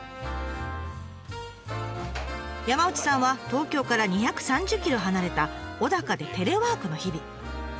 山内さんは東京から２３０ｋｍ離れた小高でテレワークの日々。